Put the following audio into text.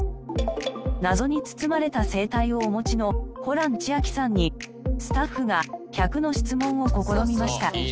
謎に包まれた生態をお持ちのホラン千秋さんにスタッフが１００の質問を試みました。